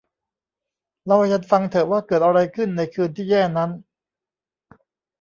เล่าให้ฉันฟังเถอะว่าเกิดอะไรขึ้นในคืนที่แย่นั้น